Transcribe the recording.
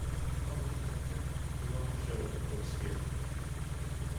Oh, Heathcliff, you are showing a poor spirit!